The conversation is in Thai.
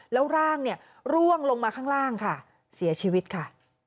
แล้วร่างเนี่ยร่วงลงมาข้างล่างค่ะเสียชีวิตค่ะ